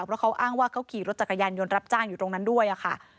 เพราะเขาอ้างว่าเขาขี่รถจักรยานยนต์รับจ้างอยู่ตรงนั้นด้วยค่ะ